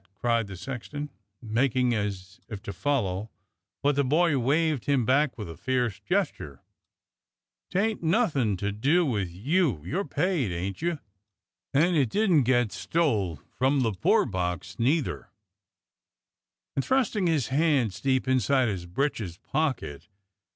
" cried the sexton, making as if to follow, but the boy waved him back with a fierce gesture. " 'Tain't nothin' to do with you. You're paid, ain't you? And it didn't get stole from the poor box, neither, so don't you start a worritin'." And thrusting his hands deep into his breeches pocket.